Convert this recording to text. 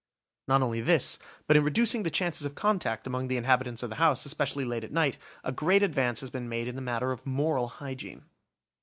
Not only this, but in reducing the chances of contact among the inhabitants of the house, especially late at night, a great advance has been made in the matter of moral hygiene.